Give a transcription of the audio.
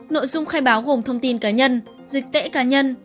nội dung khai báo gồm thông tin cá nhân dịch tễ cá nhân